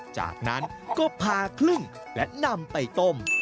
จากนั้นก็พาครึ่งและนำไปต้ม